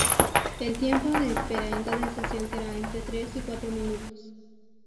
El tiempo de espera en cada estación será entre tres y cuatro minutos.